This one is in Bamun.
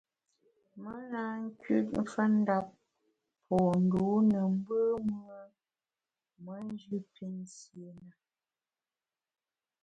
Me na nküt mfendap po ndû ne mbùm-ùe me njù pinsié na.